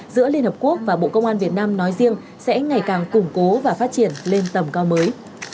giữa liên hợp quốc và bộ công an việt nam nói riêng sẽ ngày càng củng cố và phát triển lên tầm cao mới